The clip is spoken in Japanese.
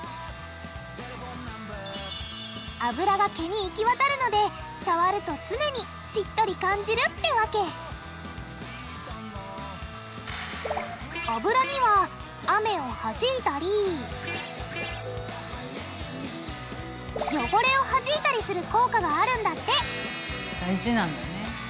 あぶらが毛に行き渡るので触ると常にしっとり感じるってわけあぶらには雨をはじいたりよごれをはじいたりする効果があるんだって大事なんだね。